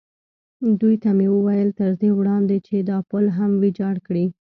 دوی ته مې وویل: تر دې وړاندې چې دا پل هم ویجاړ کړي.